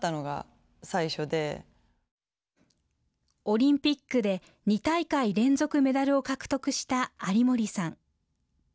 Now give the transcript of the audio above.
オリンピックで２大会連続メダルを獲得した有森さん。